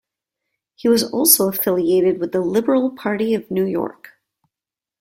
He was also affiliated with the Liberal Party of New York.